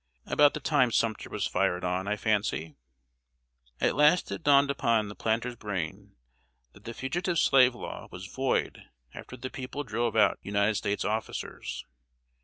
"About the time Sumter was fired on, I fancy." At last it dawned upon the planter's brain that the Fugitive Slave Law was void after the people drove out United States officers.